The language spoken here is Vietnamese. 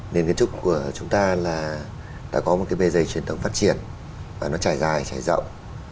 nền kiến trúc của chúng ta là đã có một cái bề dày truyền thống phát triển và nó trải dài trải rộng